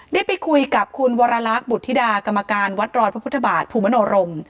ได้ไปคุยกับคุณวรลักษณ์บุธิดากรรมการวัดรอยพระพุทธบาทภูมิมโนรม